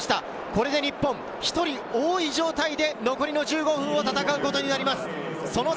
これで日本、１人多い状態で残りの１５分を戦うことになります。